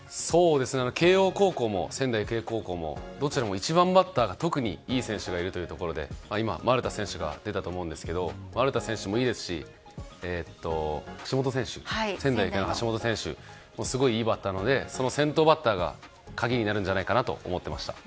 慶應高校も仙台育英高校もどちらも１番バッターに特にいい選手がいるということで丸田選手が出たと思うんですが丸田選手もいいですし仙台育英の橋本選手もすごくいいバッターなので先頭バッターが鍵になるんじゃないかなと思っていました。